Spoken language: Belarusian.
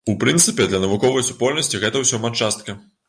У прынцыпе, для навуковай супольнасці гэта ўсё матчастка.